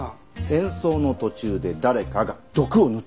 演奏の途中で誰かが毒を塗った。